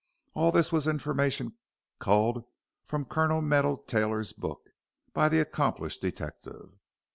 All this was information culled from Colonel Meadow Taylor's book by the accomplished detective.